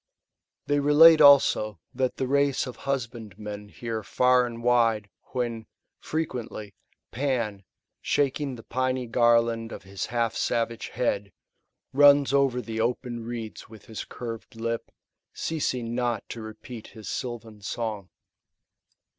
They relate, also, that the race of husbandmen hear far and wide, when, frequently. Pan, shaking the piny garland of his half savage head, runs over the open reeds with his curved lip, ceasing not to repeat^ his sylvan song.